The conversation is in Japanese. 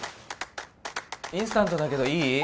インスタントだけどいい？